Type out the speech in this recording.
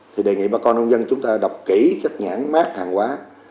thì đề nghị bà con nông dân chúng ta đọc kỹ các nhãn mát hàng hóa